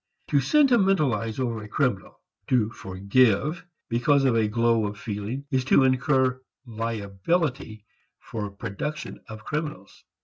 To sentimentalize over a criminal to "forgive" because of a glow of feeling is to incur liability for production of criminals.